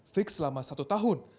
fix selama setahun